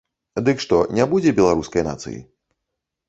Дык што, не будзе беларускай нацыі?